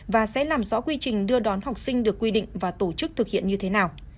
và sẽ làm rõ quy trình đưa đón học sinh được quy định và tổ chức thực hiện như thế nào